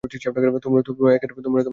তোমরা এখানে কেন আসলে?